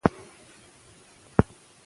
ګورګین د ګرجستان پخوانی والي و.